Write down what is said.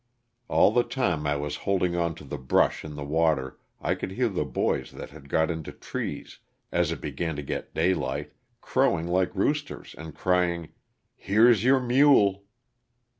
All the time I was holding on to the brush in the water I could hear the boys that had got into trees, as it began to get daylight, crowing like roosters, and crying "here's your mule!"